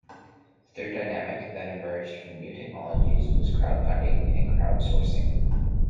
A third dynamic that emerged from new technology was crowd-funding and crowd-sourcing.